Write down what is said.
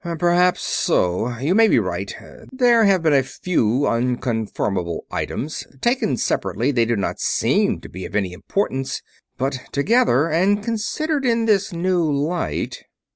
"Perhaps so.... You may be right.... There have been a few nonconformable items. Taken separately, they did not seem to be of any importance; but together, and considered in this new light...."